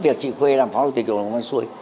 việc chị khuê làm phó chủ tịch hội đồng văn xuôi